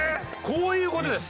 こういう事です。